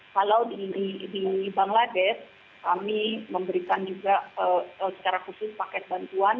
kalau di bangladesh kami memberikan juga secara khusus paket bantuan